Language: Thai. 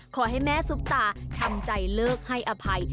ขอให้แม่ซุปตาทำใจเลิกให้อภัย